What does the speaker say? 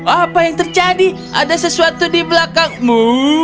apa yang terjadi ada sesuatu di belakangmu